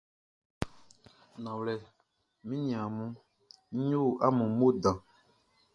Nanwlɛ, mi niaan mun, n yo amun mo dan.